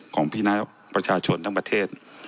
ของพี่น้องประชาชนทั้งประเทศ